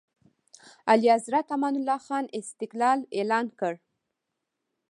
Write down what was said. اعلیحضرت امان الله خان استقلال اعلان کړ.